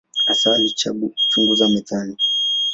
Hasa alichunguza metali.